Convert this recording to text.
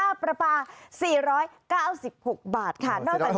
ค่าประปา๔๙๖บาทค่ะ